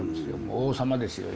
王様ですよ